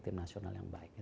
tim nasional yang baik